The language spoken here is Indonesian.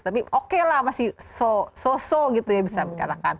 tapi oke lah masih sosok gitu ya bisa dikatakan